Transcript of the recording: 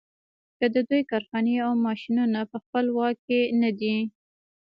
که د دوی کارخانې او ماشینونه په خپل واک کې نه دي.